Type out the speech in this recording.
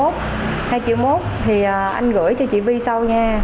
hai triệu một thì anh gửi cho chị vi sau nha